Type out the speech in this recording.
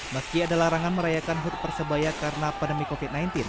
meski ada larangan merayakan hut persebaya karena pandemi covid sembilan belas